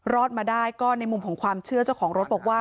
รอดมาได้ก็ในมุมของความเชื่อเจ้าของรถบอกว่า